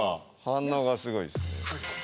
反応がすごいです。